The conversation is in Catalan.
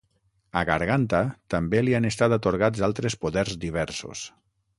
A Garganta també li han estat atorgats altres poders diversos.